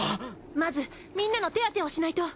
まずみんなの手当てをしないと。